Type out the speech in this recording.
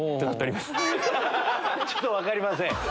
ちょっと分かりません。